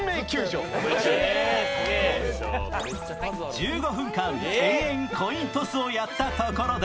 １５分間、延々コイントスをやったところで